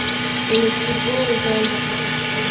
El equipo usaba bicicletas Trek.